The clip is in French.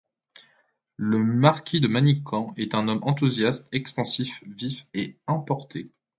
Le marquis de Manicamp est un homme enthousiaste, expansif, vif et emporté.